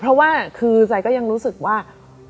เพราะว่าคือใจก็ยังรู้สึกว่า